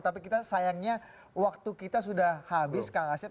tapi kita sayangnya waktu kita sudah habis kang asep